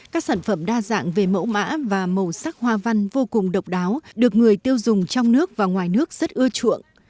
các sản phẩm đa dạng về mẫu mã và màu sắc hoa văn vô cùng độc đáo được người tiêu dùng trong nước và ngoài nước rất ưa chuộng